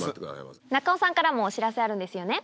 中尾さんからもお知らせあるんですよね。